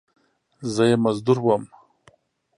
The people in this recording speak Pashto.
زه یې مزدور وم !